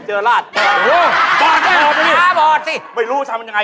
ตาบอกสิไม่รู้ช้างั้นยังไงอ่ะ